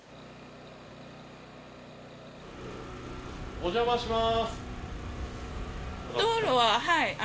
お邪魔します。